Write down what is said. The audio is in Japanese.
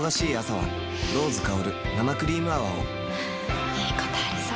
はぁいいことありそう。